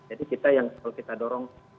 jadi kita yang kalau kita dorong